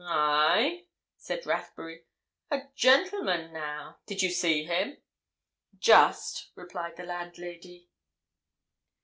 "Aye?" said Rathbury. "A gentleman, now? Did you see him?" "Just," replied the landlady.